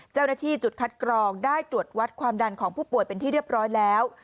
เจ้าหน้าที่จุดคัดกรองได้ตรวจวัดความดันของผู้ป่วยเป็นที่เรียบร้อยแล้ว